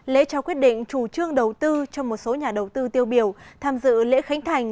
lễ trao quyết định chủ trương đầu tư cho một số nhà đầu tư tiêu biểu tham dự lễ khánh thành